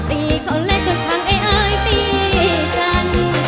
ตีเขาและจนพังไอ้อายตีกัน